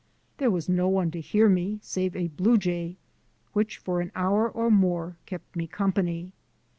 There was no one to hear me save a bluejay which for an hour or more kept me company.